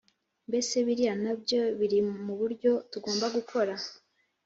Mbese biriya nabyo birimubyo tugomba gukora